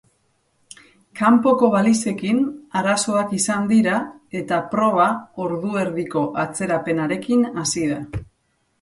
Kanpoko balizekin arazoak izan dira eta proba ordu erdiko atzerapenarekin hasi da.